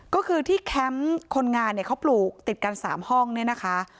ก็คือที่แคมป์คนงานเนี่ยเขาปลูกติดกัน๓ห้องเนี่ยนะคะ